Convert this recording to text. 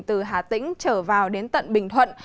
từ hà tĩnh trở vào đến tận bình thuận